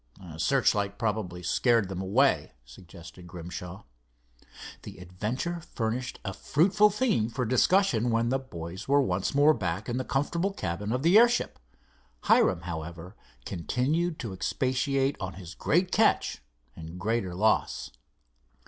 "The searchlight probably scared them away," suggested Grimshaw. The adventure furnished a fruitful theme for discussion when the boys were once more back in the comfortable cabin of the airship. Hiram, however, continued to expatiate on his great catch and greater loss.